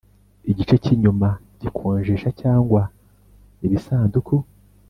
Igice cy inyuma gikonjesha cyangwa ibisanduku